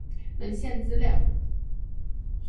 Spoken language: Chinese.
文献资料